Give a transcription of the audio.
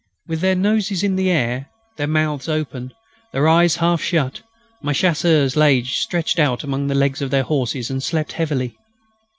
With their noses in the air, their mouths open, their eyes half shut, my Chasseurs lay stretched out among the legs of their horses and slept heavily.